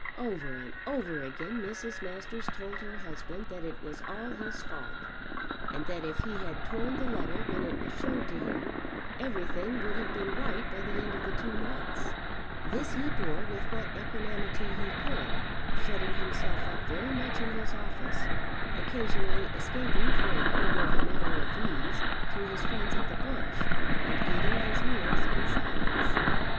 Over and over again Mrs. Masters told her husband that it was all his fault, and that if he had torn the letter when it was showed to him, everything would have been right by the end of the two months. This he bore with what equanimity he could, shutting himself up very much in his office, occasionally escaping for a quarter of an hour of ease to his friends at the Bush, and eating his meals in silence.